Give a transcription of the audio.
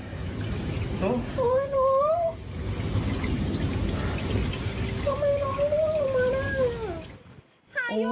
ทำไมน้องด้วยออกมาแล้ว